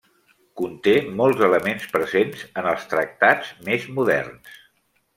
Conté molts elements presents en els tractats més moderns.